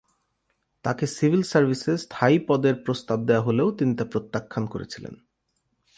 তাঁকে সিভিল সার্ভিসে স্থায়ী পদের প্রস্তাব দেওয়া হলেও তিনি তা প্রত্যাখ্যান করেছিলেন।